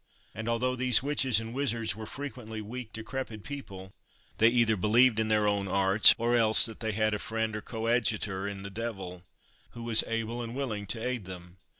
and, although these witches and wizards were frequently weak, decrepit people, they either believed in their own arts, or else that they had a friend or coadjutor in the devil, who was able and willing to aid them.